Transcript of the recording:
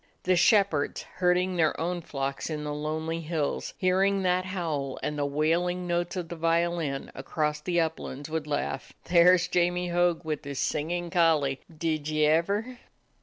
The shepherds, herding their own flocks on the lonely hills, hearing that howl and the wailing notes of the violin across the uplands, would laugh: "There 's Jamie Hogg, with his singin' collie. Did ye ever?"